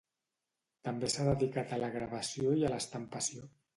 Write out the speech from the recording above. També s'ha dedicat a la gravació i a l'estampació.